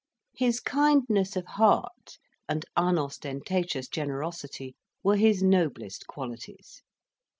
His kindness of heart and unostentatious generosity were his noblest qualities.